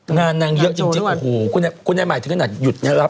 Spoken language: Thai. งานนางเยอะจริงโอ้โหคุณใหม่ถึงขนาดหยุดนางรับ